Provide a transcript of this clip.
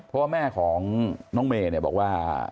เพราะว่าแม่ของน้องเมย์บอกว่า